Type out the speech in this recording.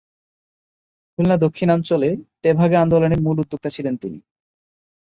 খুলনা দক্ষিণাঞ্চলে তেভাগা আন্দোলনের মূল উদ্যোক্তা ছিলেন তিনি।